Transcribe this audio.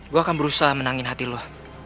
gue akan berusaha menangin hati lo